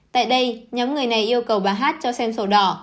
tại đây nhóm người này yêu cầu bà hát cho xem sổ đỏ